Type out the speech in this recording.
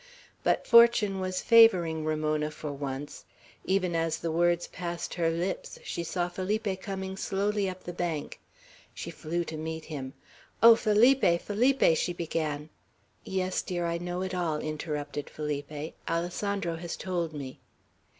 But fortune was favoring Ramona, for once; even as the words passed her lips, she saw Felipe coming slowly up the bank. She flew to meet him. "Oh, Felipe, Felipe!" she began. "Yes, dear, I know it all," interrupted Felipe; "Alessandro has told me."